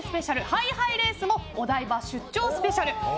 ハイハイレースもお台場出張スペシャル。